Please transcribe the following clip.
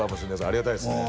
ありがたいっすね